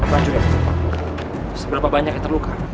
pak juri seberapa banyak yang terluka